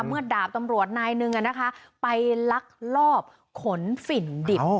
เมื่อดาบตำรวจนายนึงนะคะไปลักลอบขนฝิ่นดิบ